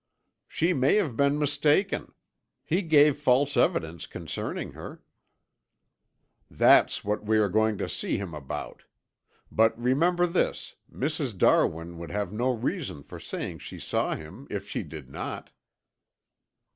"She may have been mistaken. He gave false evidence concerning her." "That's what we are going to see him about. But, remember this, Mrs. Darwin would have no reason for saying she saw him if she did not."